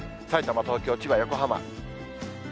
さいたま、東京、千葉、横浜。